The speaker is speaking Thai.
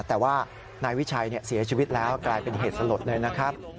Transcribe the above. แต่ว่านายวิชัยเสียชีวิตแล้วกลายเป็นเหตุสลดเลยนะครับ